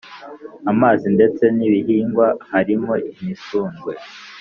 amazi ndetse n’ibihingwa harimo imisundwe